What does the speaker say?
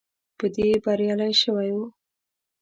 په دې بریالی شوی وو.